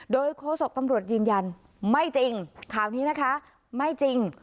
โดยโคศกตำรวจยืนยันไม่จริงข่าวนี้นะคะไม่จริง